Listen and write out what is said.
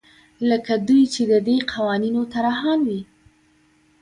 لکه دوی چې د دې قوانینو طراحان وي.